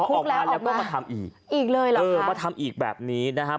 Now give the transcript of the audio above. ออกมาแล้วก็มาทำอีกมาทำอีกแบบนี้นะครับ